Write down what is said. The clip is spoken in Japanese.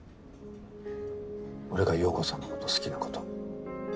俺が陽子さんのこと好きなこと。